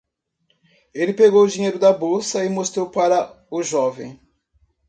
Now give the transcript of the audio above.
Ele pegou o dinheiro da bolsa e mostrou para o jovem.